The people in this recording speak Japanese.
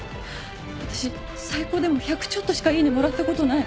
私最高でも１００ちょっとしかいいねもらったことない。